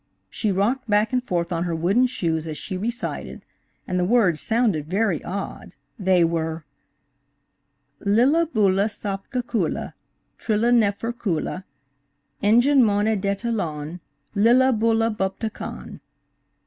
She rocked back and forth on her wooden shoes as she recited, and the words sounded very odd. They were: "Lilla bulla soppa kulla Trilla neffer kulla, Ingen mon e detta lon, Lilla bulla bupta kon."